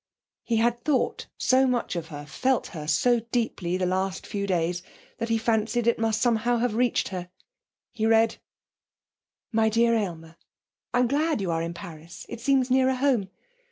He had thought so much of her, felt her so deeply the last few days that he fancied it must somehow have reached her. He read: 'My Dear Aylmer, 'I'm glad you are in Paris; it seems nearer home.